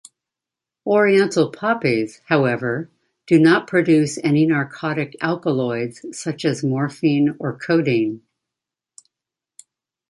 Oriental poppies, however, do not produce any narcotic alkaloids such as morphine or codeine.